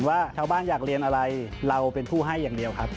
ว่าชาวบ้านอยากเรียนอะไรเราเป็นผู้ให้อย่างเดียวครับ